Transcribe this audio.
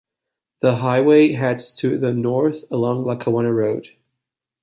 The highway heads to the north along Lackawanna Road.